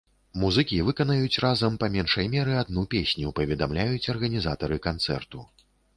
Музыкі выканаюць разам па меншай меры адну песню, паведамляюць арганізатары канцэрту.